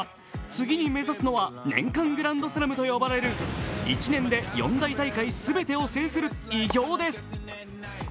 次に目指すのは年間グランドスラムと呼ばれる１年で四大大会全てを制する偉業です。